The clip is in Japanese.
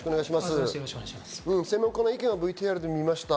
専門家の意見をＶＴＲで見ました。